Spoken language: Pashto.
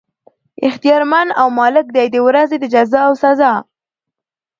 اختيار مند او مالک دی د ورځي د جزاء او سزاء